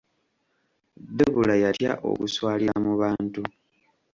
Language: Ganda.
Debula yatya okuswalira mu bantu.